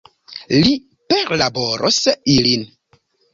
Li perlaboros ilin.